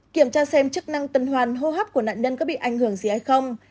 kiểm tra xem chức năng tân hoàn hô hấp của nặn nhân có bị ảnh hưởng gì hay không